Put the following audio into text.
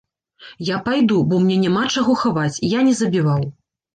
Я пайду, бо мне няма чаго хаваць, я не забіваў.